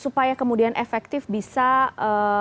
sebenarnya waktu yang efektif untuk menyebarkan nyamuk berwolbachia